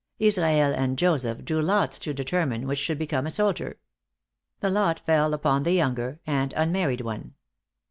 Israel and Joseph drew lots to determine which should become a soldier. The lot fell upon the younger and unmarried one.